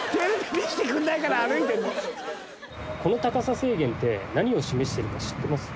この高さ制限って何を示してるか知ってます？